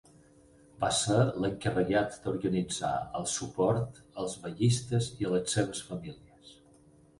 Va ser l'encarregat d'organitzar el suport als vaguistes i a les seves famílies.